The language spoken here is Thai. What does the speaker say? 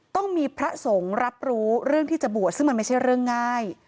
ต้องมีพระสงฆ์รับรู้เรื่องที่จะบวชซึ่งมันไม่ใช่เรื่องง่าย